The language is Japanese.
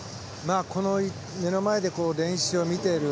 目の前で練習を見ている。